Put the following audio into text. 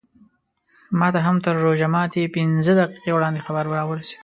ماته هم تر روژه ماتي پینځه دقیقې وړاندې خبر راورسېد.